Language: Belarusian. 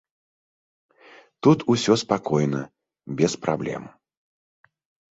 Тут усё спакойна, без праблем.